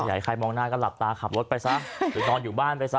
อยากให้ใครมองหน้าก็หลับตาขับรถไปซะหรือนอนอยู่บ้านไปซะ